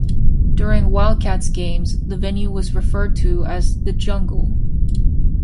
During Wildcats games the venue was referred to as "The Jungle".